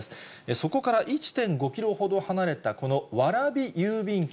そこから１．５キロほど離れたこの蕨郵便局。